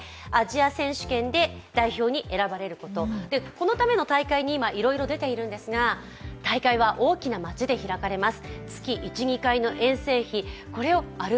このための大会に今いろいろ出ているんですが大会は大きな街で開かれます。